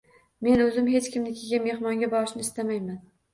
Men oʻzim hech kimnikiga mehmonga borishni istamayman.